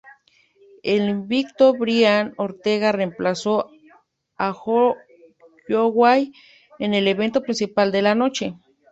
El invicto Brian Ortega reemplazó a Holloway en el evento principal de la noche.